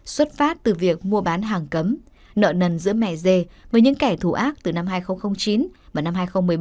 xuất phát từ việc mua bán hàng cấm nợ nần giữa mẻ dê với những kẻ thù ác từ năm hai nghìn chín và năm hai nghìn một mươi bảy